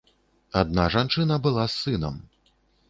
Адна жанчына была з сынам.